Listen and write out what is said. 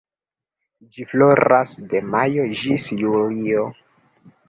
Ĝi floras de majo ĝis julio.